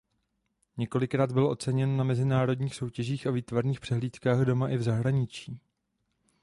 Několikrát byl oceněn na mezinárodních soutěžích a výtvarných přehlídkách doma i v zahraničí.